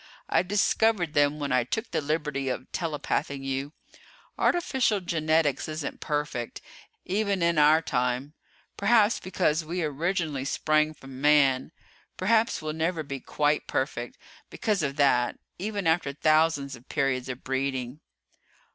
I discovered them when I took the liberty of telepathing you. Artificial Genetics isn't perfect, even in our time perhaps because we originally sprang from man. Perhaps we'll never be quite perfect, because of that, even after thousands of periods of breeding."